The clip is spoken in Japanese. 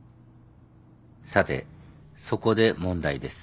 さてそこで問題です。